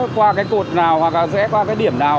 qua cái cột nào hoặc là rẽ qua cái điểm nào